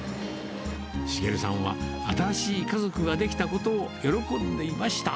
茂さんは、新しい家族が出来たことを喜んでいました。